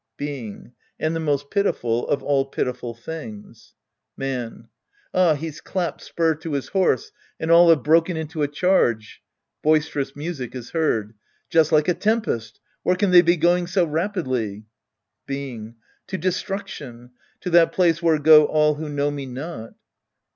Being. And the most pitiful of all pitiful tilings. Man. Ah, he's clapped spur to his horse, and all baye broken into a charge. {Boisterous music is heard.) Just like a tempest. Where can they be goin^l so rapidly ? Being. To destruction. To that place ^\•here go all who know me Hot.